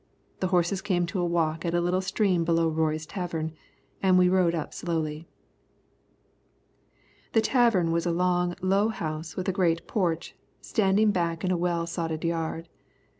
The horses came to a walk at a little stream below Roy's tavern, and we rode up slowly. The tavern was a long, low house with a great porch, standing back in a well sodded yard.